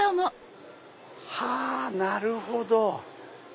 はぁなるほど！